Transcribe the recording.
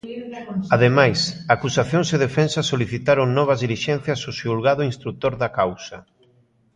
Ademais, acusacións e defensas solicitaron novas dilixencias ao xulgado instrutor da causa.